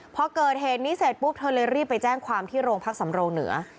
พอเกิดเหตุนี้เสร็จปุ๊บเธอเลยรีบไปแจ้งความที่โรงพักสำโรงเหนือ